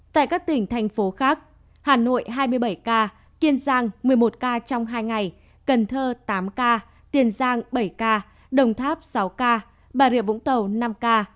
tại các tỉnh thành phố khác hà nội hai mươi bảy ca kiên giang một mươi một ca trong hai ngày cần thơ tám ca tiền giang bảy ca đồng tháp sáu ca bà rịa vũng tàu năm ca